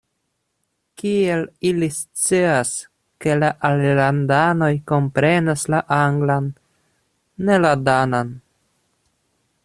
Kiel ili scias, ke la alilandanoj komprenas la anglan, ne la danan?